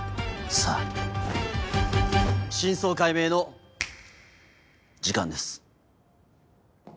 さぁ真相解明の時間です。